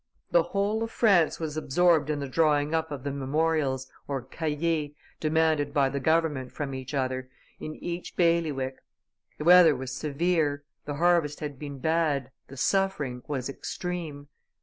The whole of France was absorbed in the drawing up of the memorials (cahiers) demanded by the government from each order, in each bailiwick. The weather was severe, the harvest had been bad, the suffering was extreme.